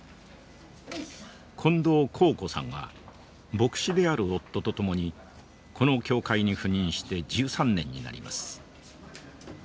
近藤紘子さんは牧師である夫と共にこの教会に赴任して１３年になります。